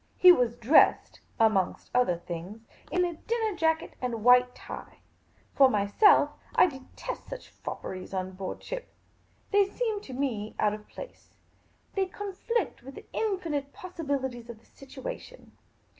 He was dressed (amongst other things) in a dinner jacket and a white tie ; for myself, I de test such fopperies on board ship ; they seem to me out of place ; they conflict with the infinite possibilities of the situ ation.